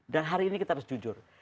dan hari ini kita harus jujur